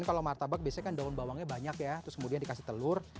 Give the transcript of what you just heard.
kalau martabak biasanya kan daun bawangnya banyak ya terus kemudian dikasih telur